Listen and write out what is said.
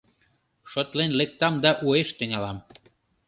— Шотлен лектам да уэш тӱҥалам.